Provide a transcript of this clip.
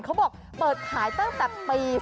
เขาบอกเปิดขายตั้งแต่ปี๒๕๖